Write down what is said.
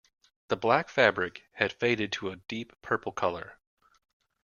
The black fabric had faded to a deep purple colour.